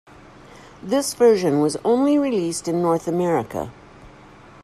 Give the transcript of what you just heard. This version was only released in North America.